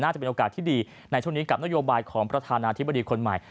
จะเป็นโอกาสที่ดีในช่วงนี้กับนโยบายของประธานาธิบดีคนใหม่